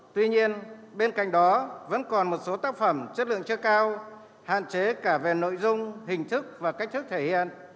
tuy nhiên bên cạnh đó vẫn còn một số tác phẩm chất lượng chưa cao hạn chế cả về nội dung hình thức và cách thức thể hiện